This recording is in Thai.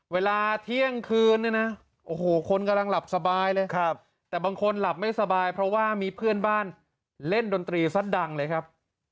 เวลาเที่ยงคืนเนี่ยนะโอ้โหคนกำลังหลับสบายเลยแต่บางคนหลับไม่สบายเพราะว่ามีเพื่อนบ้านเล่นดนตรีซะดังเลยครับ